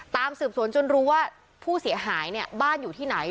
ตามสืบสวนจนรู้ว่าผู้เสียหายเนี่ยบ้านอยู่ที่ไหน